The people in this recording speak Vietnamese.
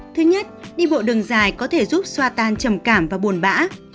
thứ nhất đi bộ đường dài có thể giúp xoa tan trầm cảm và buồn bã